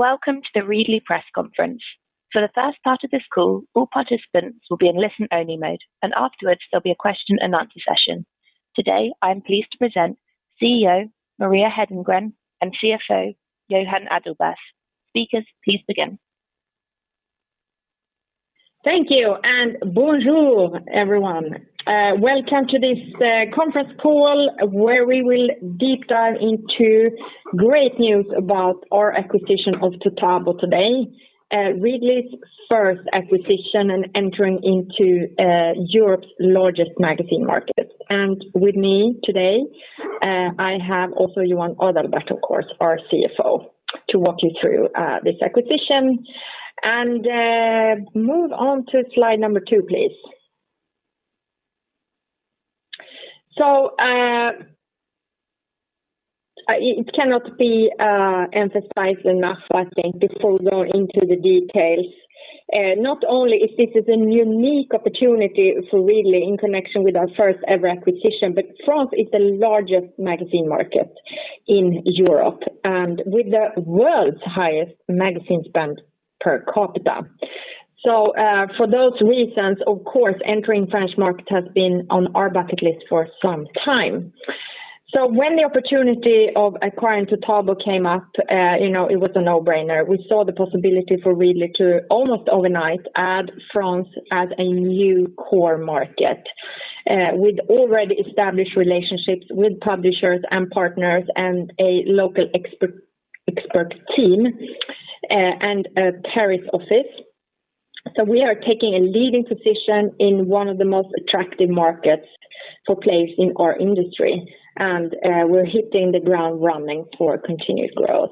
Welcome to the Readly press conference. For the first part of this call, all participants will be in listen-only mode. Afterwards, there'll be a question and answer session. Today, I am pleased to present CEO, Maria Hedengren, and CFO, Johan Adalberth. Speakers, please begin. Thank you, bonjour everyone. Welcome to this conference call where we will deep dive into great news about our acquisition of Toutabo today, Readly's first acquisition in entering into Europe's largest magazine market. With me today, I have also Johan Adalberth, of course, our CFO, to walk you through this acquisition and move on to slide two, please. It cannot be emphasized enough, I think, before going into the details. Not only is this a unique opportunity for Readly in connection with our first-ever acquisition, but France is the largest magazine market in Europe, and with the world's highest magazine spend per capita. For those reasons, of course, entering French market has been on our bucket list for some time. When the opportunity of acquiring Toutabo came up, it was a no-brainer. We saw the possibility for Readly to almost overnight add France as a new core market with already established relationships with publishers and partners and a local expert team and a Paris office. We are taking a leading position in one of the most attractive markets for place in our industry, and we're hitting the ground running for continued growth.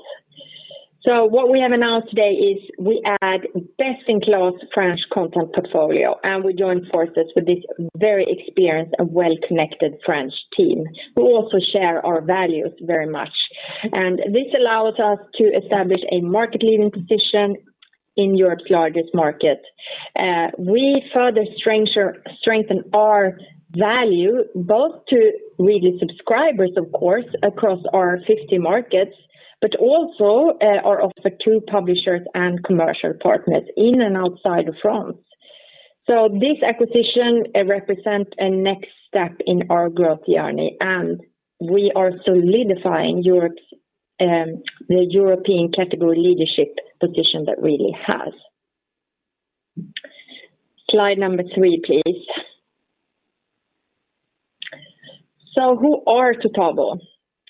What we have announced today is we add best-in-class French content portfolio, and we join forces with this very experienced and well-connected French team who also share our values very much. This allows us to establish a market-leading position in Europe's largest market. We further strengthen our value both to Readly subscribers, of course, across our 50 markets, but also our offer to publishers and commercial partners in and outside of France. This acquisition represents a next step in our growth journey, and we are solidifying the European category leadership position that Readly has. Slide number three, please. Who are Toutabo?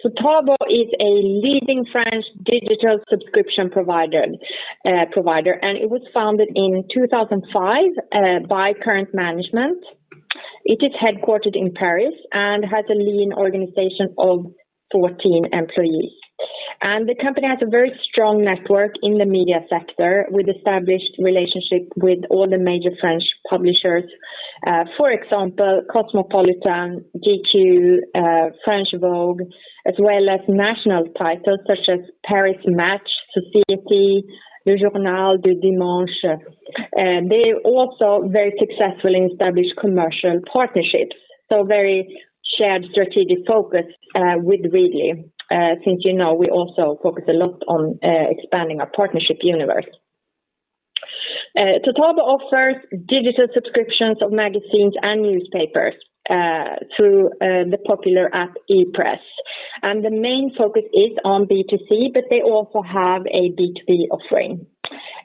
Toutabo is a leading French digital subscription provider, and it was founded in 2005 by current management. It is headquartered in Paris and has a lean organization of 14 employees. The company has a very strong network in the media sector with established relationships with all the major French publishers. For example, Cosmopolitan, GQ, Vogue France, as well as national titles such as Paris Match, Society, Le Journal du Dimanche. They also very successfully established commercial partnerships, so very shared strategic focus with Readly, since you know we also focus a lot on expanding our partnership universe. Toutabo offers digital subscriptions of magazines and newspapers through the popular app ePresse. The main focus is on B2C, but they also have a B2B offering.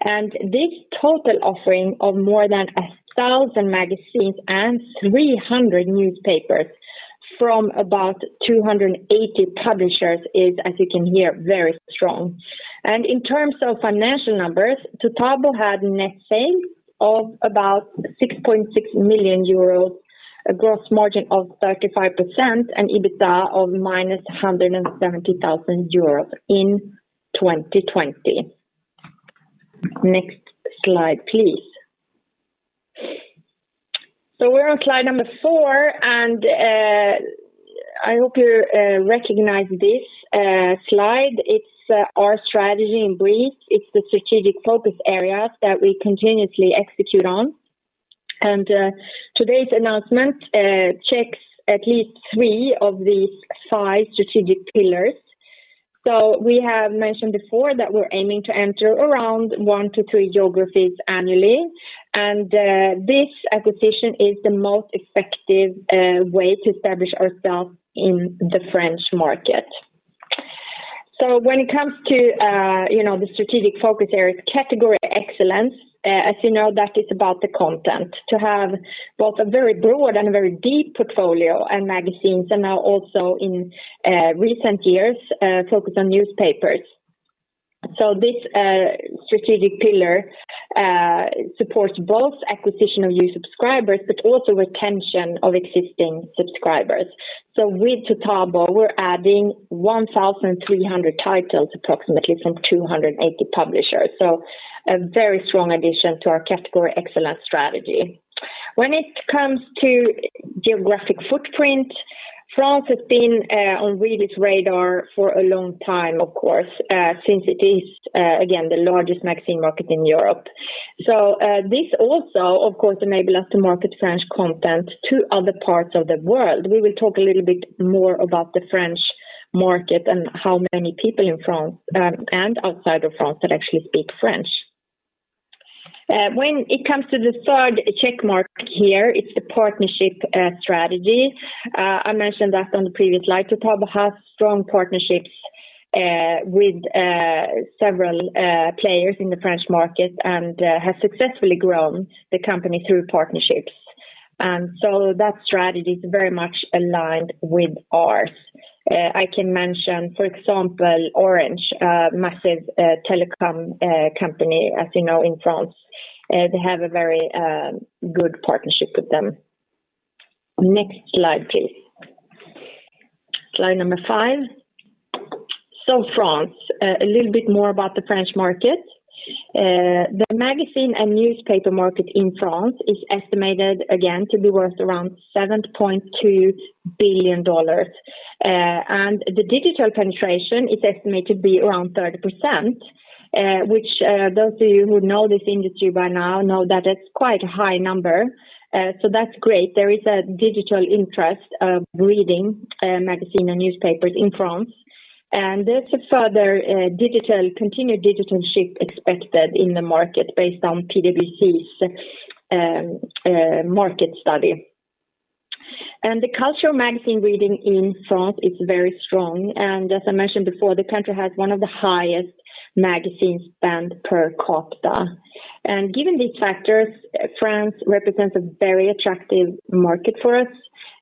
This total offering of more than 1,000 magazines and 300 newspapers from about 280 publishers is, as you can hear, very strong. In terms of financial numbers, Toutabo had net sales of about 6.6 million euros, a gross margin of 35%, and EBITDA of minus 170,000 euros in 2020. Next slide, please. We're on slide number four, and I hope you recognize this slide. It's our strategy in brief. It's the strategic focus areas that we continuously execute on. Today's announcement checks at least three of these five strategic pillars. We have mentioned before that we're aiming to enter around one to three geographies annually, and this acquisition is the most effective way to establish ourselves in the French market. When it comes to the strategic focus areas, category excellence, as you know, that is about the content, to have both a very broad and a very deep portfolio and magazines, and now also in recent years, focus on newspapers. This strategic pillar supports both acquisition of new subscribers, but also retention of existing subscribers. With Toutabo, we're adding 1,300 titles, approximately from 280 publishers, so a very strong addition to our category excellence strategy. When it comes to geographic footprint, France has been on Readly's radar for a long time, of course, since it is, again, the largest magazine market in Europe. This also, of course, enables us to market French content to other parts of the world. We will talk a little bit more about the French market and how many people in France and outside of France that actually speak French. When it comes to the third check mark here, it's the partnership strategy. I mentioned that on the previous slide. Toutabo has strong partnerships with several players in the French market and has successfully grown the company through partnerships. That strategy is very much aligned with ours. I can mention, for example, Orange, a massive telecom company, as you know, in France. They have a very good partnership with them. Next slide, please. Slide number fvie. France, a little bit more about the French market. The magazine and newspaper market in France is estimated again to be worth around SEK 7.2 billion, and the digital penetration is estimated to be around 30%, which those of you who know this industry by now know that it's quite a high number. That's great. There is a digital interest of reading magazine and newspapers in France, there's a further continued digital shift expected in the market based on PwC's market study. The culture of magazine reading in France is very strong, as I mentioned before, the country has one of the highest magazine spend per capita. Given these factors, France represents a very attractive market for us.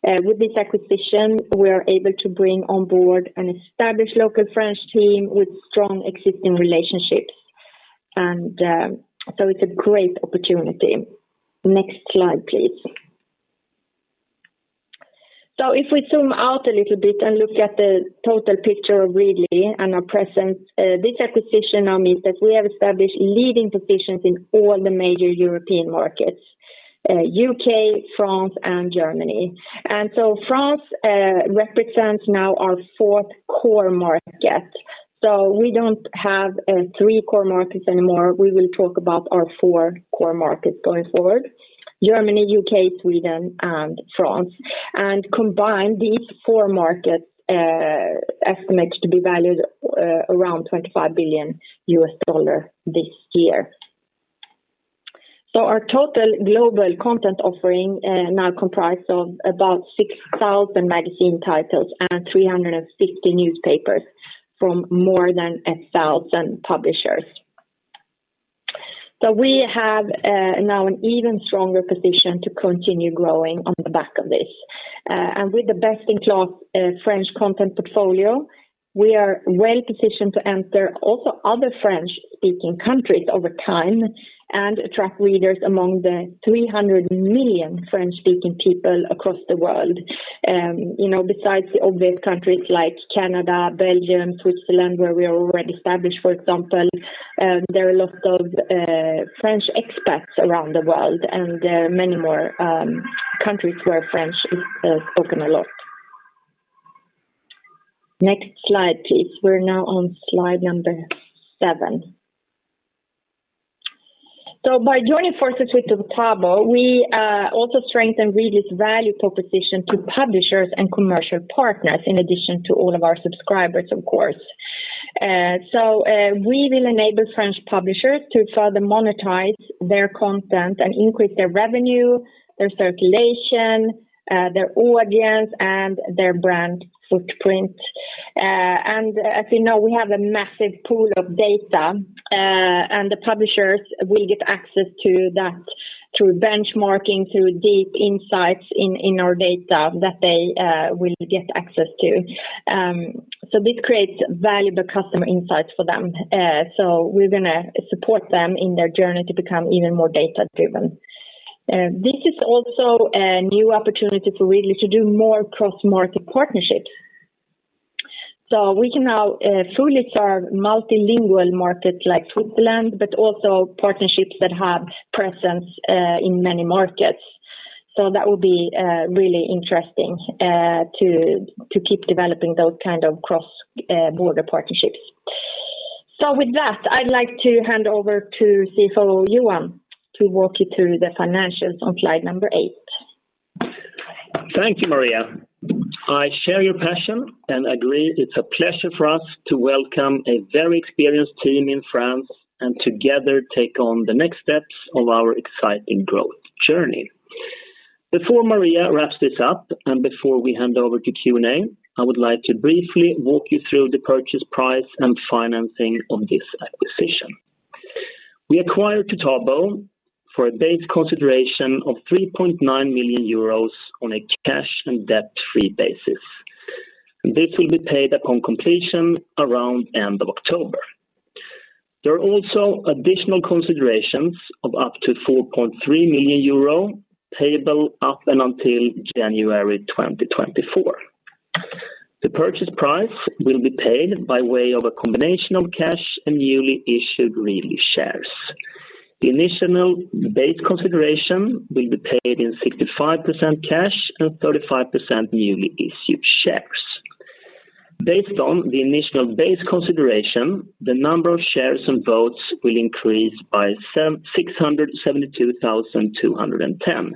With this acquisition, we are able to bring on board an established local French team with strong existing relationships. It's a great opportunity. Next slide, please. If we zoom out a little bit and look at the total picture of Readly and our presence, this acquisition now means that we have established leading positions in all the major European markets, U.K., France, and Germany. France represents now our fourth core market. We don't have three core markets anymore. We will talk about our four core markets going forward, Germany, U.K., Sweden, and France. Combined, these four markets are estimated to be valued around $25 billion this year. Our total global content offering now comprises of about 6,000 magazine titles and 350 newspapers from more than 1,000 publishers. We have now an even stronger position to continue growing on the back of this. With the best-in-class French content portfolio, we are well-positioned to enter also other French-speaking countries over time and attract readers among the 300 million French-speaking people across the world. Besides the obvious countries like Canada, Belgium, Switzerland, where we are already established, for example, there are a lot of French expats around the world, and there are many more countries where French is spoken a lot. Next slide, please. We're now on slide number seven. By joining forces with Toutabo, we also strengthen Readly's value proposition to publishers and commercial partners, in addition to all of our subscribers, of course. We will enable French publishers to further monetize their content and increase their revenue, their circulation, their audience, and their brand footprint. As you know, we have a massive pool of data, and the publishers will get access to that through benchmarking, through deep insights in our data that they will get access to. This creates valuable customer insights for them. We're going to support them in their journey to become even more data-driven. This is also a new opportunity for Readly to do more cross-market partnerships. We can now fully serve multilingual markets like Switzerland, but also partnerships that have presence in many markets. That will be really interesting to keep developing those kind of cross-border partnerships. With that, I'd like to hand over to CFO Johan to walk you through the financials on slide number eight. Thank you, Maria. I share your passion and agree it's a pleasure for us to welcome a very experienced team in France and together take on the next steps of our exciting growth journey. Before Maria wraps this up, and before we hand over to Q&A, I would like to briefly walk you through the purchase price and financing of this acquisition. We acquired Toutabo for a base consideration of 3.9 million euros on a cash and debt-free basis. This will be paid upon completion around end of October. There are also additional considerations of up to 4.3 million euro payable up and until January 2024. The purchase price will be paid by way of a combination of cash and newly issued Readly shares. The initial base consideration will be paid in 65% cash and 35% newly issued shares. Based on the initial base consideration, the number of shares and votes will increase by 672,210,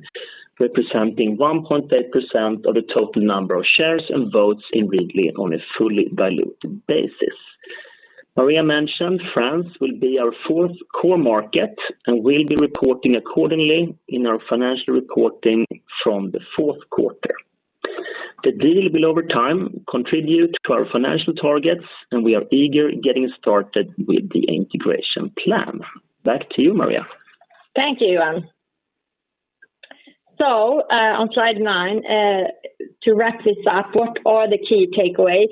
representing 1.8% of the total number of shares and votes in Readly on a fully diluted basis. Maria mentioned France will be our fourth core market, and we'll be reporting accordingly in our financial reporting from the fourth quarter. The deal will, over time, contribute to our financial targets, and we are eager getting started with the integration plan. Back to you, Maria. Thank you, Johan. On slide nine, to wrap this up, what are the key takeaways?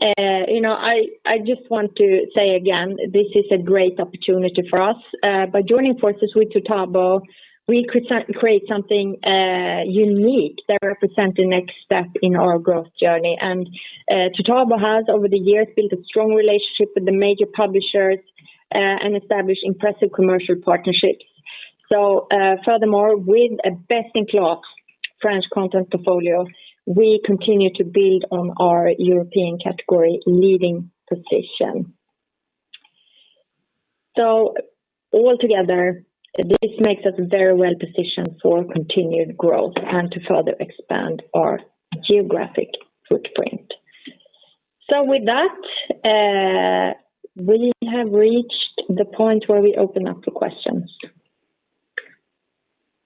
I just want to say again, this is a great opportunity for us. By joining forces with Toutabo, we create something unique that represents the next step in our growth journey. Toutabo has, over the years, built a strong relationship with the major publishers and established impressive commercial partnerships. Furthermore, with a best-in-class French content portfolio, we continue to build on our European category-leading position. Altogether, this makes us very well-positioned for continued growth and to further expand our geographic footprint. With that, we have reached the point where we open up for questions.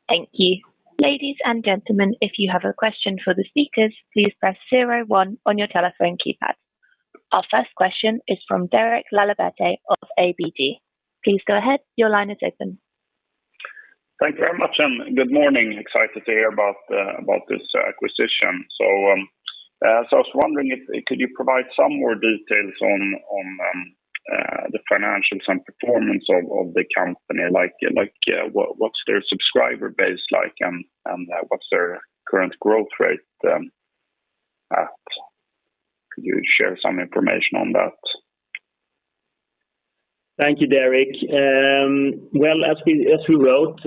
Thank you. Ladies and gentlemen, if you have a question for the speakers, please press zero one on your telephone keypad. Our first question is from Derek Laliberté of ABG. Please go ahead. Your line is open. Thank you very much, and good morning. Excited to hear about this acquisition. I was wondering if could you provide some more details on the financials and performance of the company? What's their subscriber base like, and what's their current growth rate at? Could you share some information on that? Thank you, Derek. Well, as we wrote,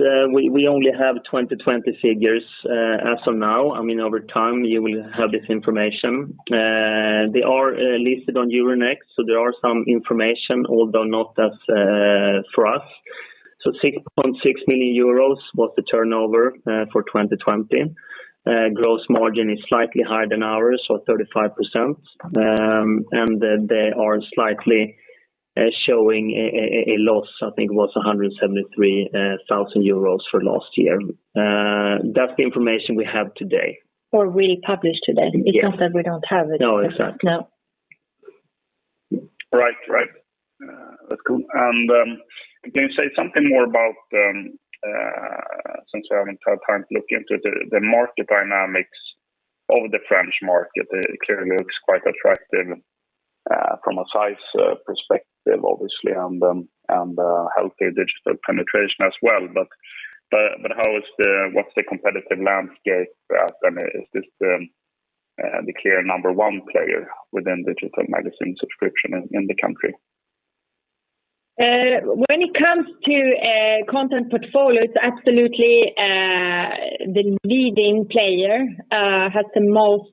we only have 2020 figures as of now. Over time, you will have this information. They are listed on Euronext, there are some information, although not as for us. 6.6 million euros was the turnover for 2020. Gross margin is slightly higher than ours, 35%. They are slightly showing a loss, I think it was 173,000 euros for last year. That's the information we have today. We publish today. It's not that we don't have it. No, exactly. No. Right. That's cool. Can you say something more about, since I haven't had time to look into the market dynamics of the French market, it clearly looks quite attractive from a size perspective, obviously, and the healthy digital penetration as well. What's the competitive landscape? Is this the clear number one player within digital magazine subscription in the country? When it comes to content portfolio, it's absolutely the leading player, has the most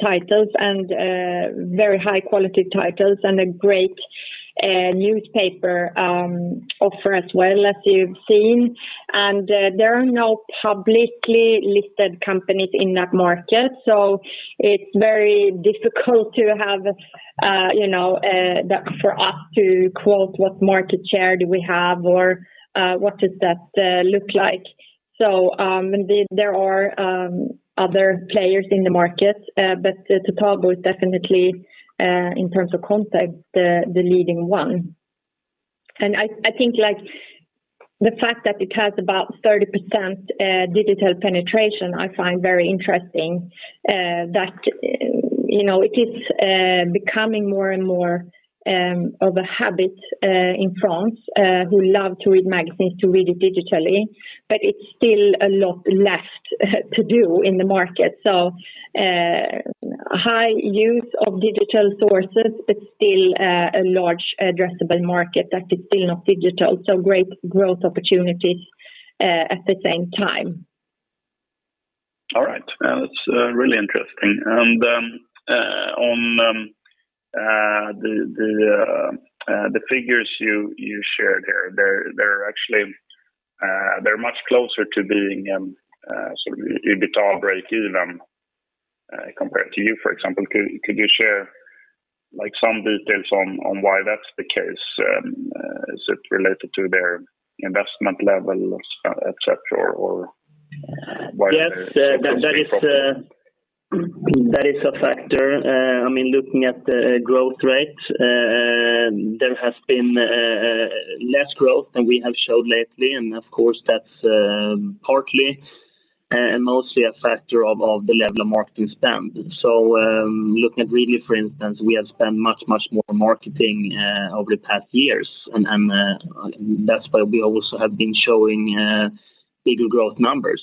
titles, and very high-quality titles, and a great newspaper offer as well, as you've seen. There are no publicly listed companies in that market, so it's very difficult for us to quote what market share do we have or what does that look like. Indeed, there are other players in the market, but Toutabo is definitely, in terms of content, the leading one. I think the fact that it has about 30% digital penetration, I find very interesting. That it is becoming more and more of a habit in France, who love to read magazines, to read it digitally, but it's still a lot left to do in the market. High use of digital sources, but still a large addressable market that is still not digital. Great growth opportunities at the same time. All right. That's really interesting. On the figures you shared there, they're much closer to being EBITDA breakeven compared to you, for example. Could you share some details on why that's the case? Is it related to their investment level, et cetera? Yes. That is a factor. Looking at the growth rate, there has been less growth than we have showed lately, and of course, that's partly and mostly a factor of the level of marketing spend. Looking at Readly, for instance, we have spent much, much more marketing over the past years, and that's why we also have been showing bigger growth numbers.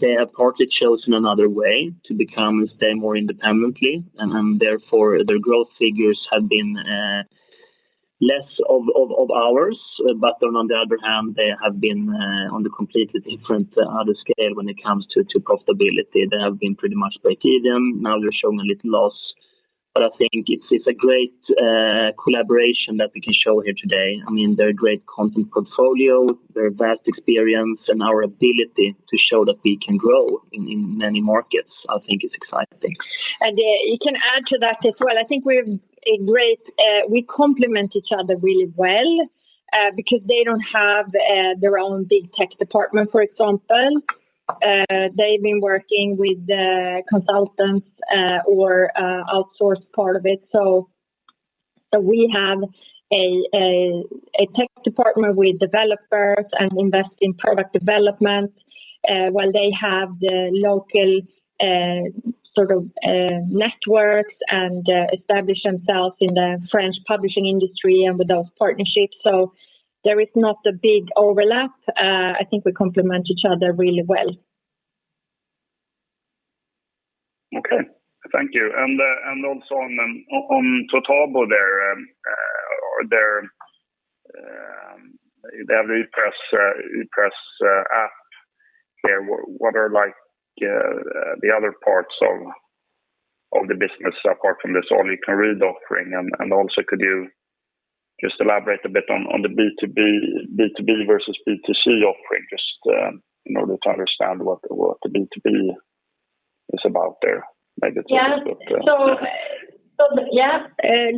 They have partly chosen another way to become, stay more independently, and therefore, their growth figures have been Less of ours. On the other hand, they have been on the completely different scale when it comes to profitability. They have been pretty much breakeven. Now they're showing a little loss. I think it's a great collaboration that we can show here today. Their great content portfolio, their vast experience, and our ability to show that we can grow in many markets, I think is exciting. You can add to that as well. I think we complement each other really well, because they don't have their own big tech department, for example. They've been working with consultants or outsource part of it. We have a tech department with developers and invest in product development, while they have the local networks and established themselves in the French publishing industry and with those partnerships. There is not a big overlap. I think we complement each other really well. Okay, thank you. Also on Toutabo, their ePresse app, what are the other parts of the business apart from this all-you-can-read offering? Also could you just elaborate a bit on the B2B versus B2C offering, just in order to understand what the B2B is about there? Yeah.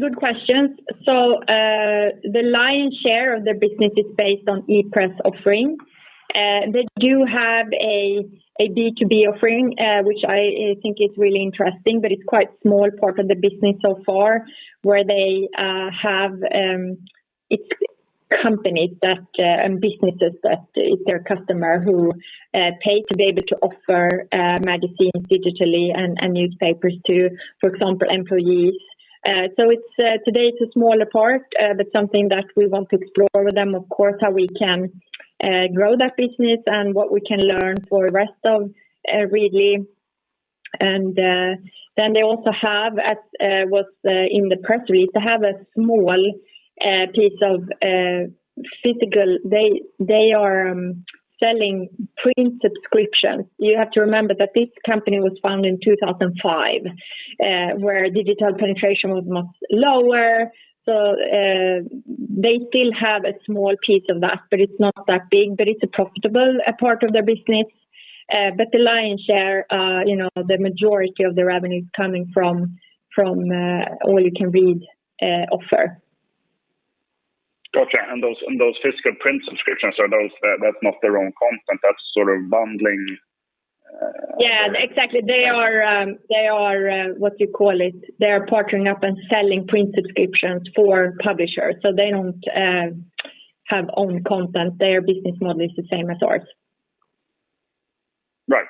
Good questions. The lion's share of their business is based on ePresse offering. They do have a B2B offering, which I think is really interesting, but it's quite small part of the business so far, where they have companies and businesses that is their customer who pay to be able to offer magazines digitally and newspapers to, for example, employees. Today it's a smaller part, but something that we want to explore with them, of course, how we can grow that business and what we can learn for rest of Readly. They also have, in the press release, they are selling print subscriptions. You have to remember that this company was founded in 2005, where digital penetration was much lower. They still have a small piece of that, but it's not that big, but it's a profitable part of their business. The lion's share, the majority of the revenue is coming from all-you-can-read offer. Got you. Those physical print subscriptions, that's not their own content, that's sort of bundling. Yeah, exactly. They are partnering up and selling print subscriptions for publishers. They don't have own content. Their business model is the same as ours. Right.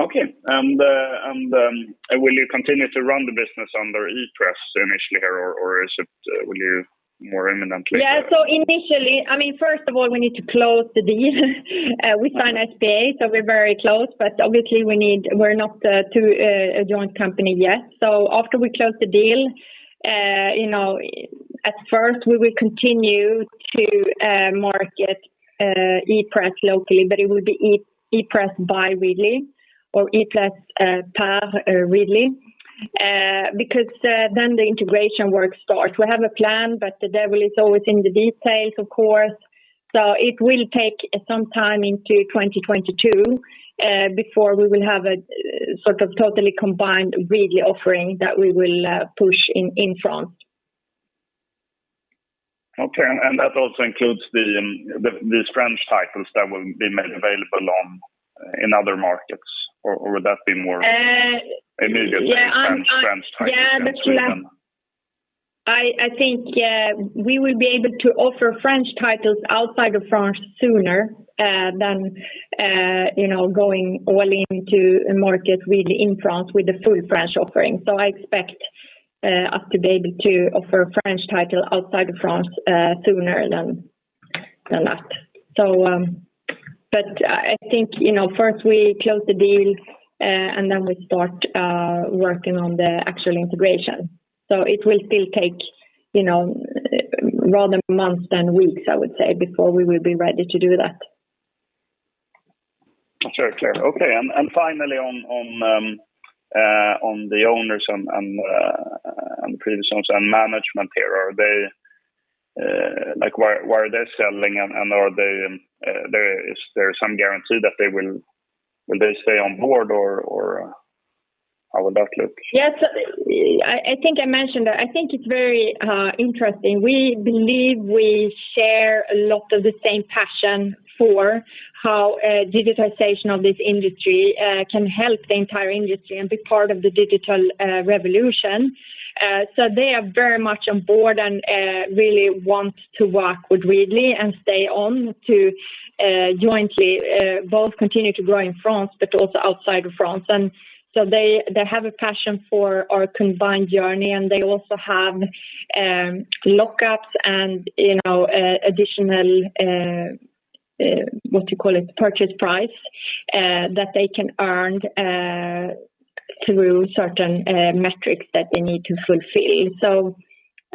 Okay. Will you continue to run the business under ePresse initially here or will you more imminently? Initially, first of all, we need to close the deal. We signed SPA, so we're very close, but obviously we're not a joint company yet. After we close the deal, at first, we will continue to market ePresse locally, but it will be ePresse by Readly or ePresse par Readly, because then the integration work starts. We have a plan, but the devil is always in the details, of course. It will take some time into 2022, before we will have a totally combined Readly offering that we will push in France. Okay, that also includes these French titles that will be made available in other markets, or would that be more immediately French titles in Sweden? I think we will be able to offer French titles outside of France sooner, than going all into a market really in France with the full French offering. I expect us to be able to offer French title outside of France sooner than that. I think, first we close the deal, and then we start working on the actual integration. It will still take rather months than weeks, I would say, before we will be ready to do that. Sure. Clear. Okay, finally on the owners and previous owners and management here, why are they selling and is there some guarantee that will they stay on board or how would that look? Yes. I think I mentioned that. I think it's very interesting. We believe we share a lot of the same passion for how digitization of this industry can help the entire industry and be part of the digital revolution. They are very much on board and really want to work with Readly and stay on to jointly both continue to grow in France, but also outside of France. They have a passion for our combined journey, and they also have lock-ups and additional purchase price that they can earn through certain metrics that they need to fulfill.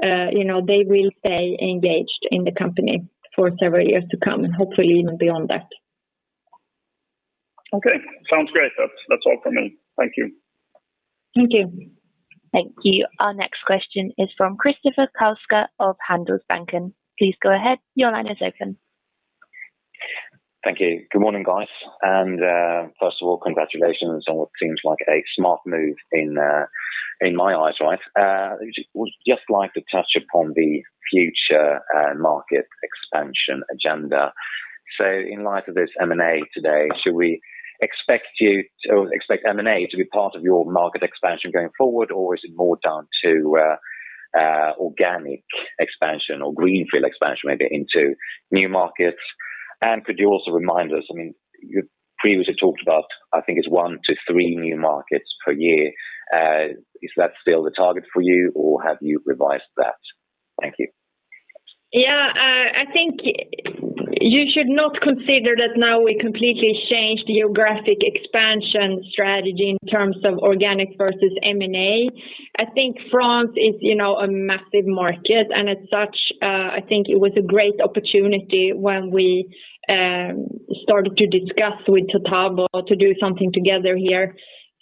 They will stay engaged in the company for several years to come, and hopefully even beyond that. Okay. Sounds great. That's all from me. Thank you. Thank you. Thank you. Our next question is from Christopher Kopfer of Handelsbanken. Please go ahead. Your line is open. Thank you. Good morning, guys. First of all, congratulations on what seems like a smart move in my eyes. I would just like to touch upon the future market expansion agenda. In light of this M&A today, should we expect M&A to be part of your market expansion going forward, or is it more down to organic expansion or greenfield expansion, maybe into new markets? Could you also remind us, you previously talked about, I think it's one to three new markets per year. Is that still the target for you, or have you revised that? Thank you. Yeah. I think you should not consider that now we completely changed the geographic expansion strategy in terms of organic versus M&A. I think France is a massive market and as such, I think it was a great opportunity when we started to discuss with Toutabo to do something together here.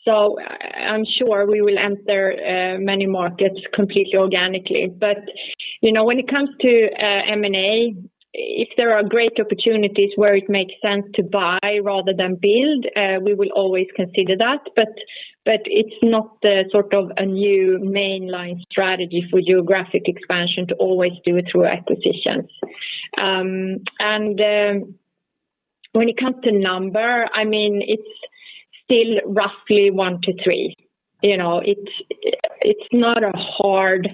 I'm sure we will enter many markets completely organically. When it comes to M&A, if there are great opportunities where it makes sense to buy rather than build, we will always consider that, but it's not the sort of a new mainline strategy for geographic expansion to always do it through acquisitions. When it comes to number, it's still roughly one to three. It's not a hard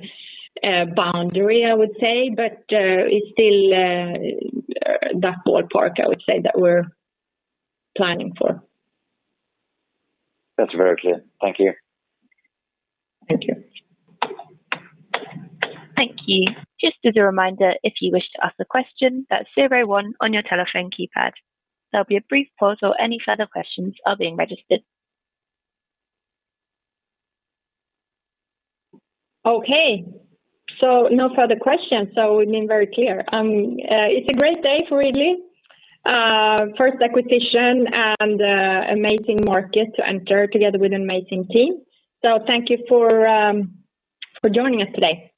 boundary, I would say, but it's still that ballpark, I would say, that we're planning for. That's very clear. Thank you. Thank you. Thank you. Just as a reminder, if you wish to ask a question, that's zero one on your telephone keypad. There'll be a brief pause while any further questions are being registered. Okay. No further questions, so we've been very clear. It's a great day for Readly. First acquisition and amazing market to enter together with an amazing team. Thank you for joining us today.